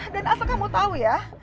dan asal kamu tau ya